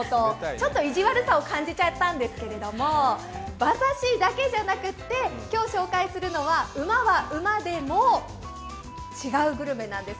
ちょっと意地悪さを感じちゃったんですけど、馬刺しじゃなくて今日紹介するのは馬は馬でも違うグルメなんです。